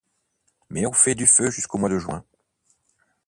Mais on fait du feu jusqu’au mois de juin.